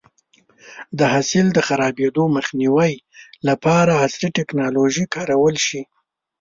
د حاصل د خرابېدو مخنیوی لپاره عصري ټکنالوژي کارول شي.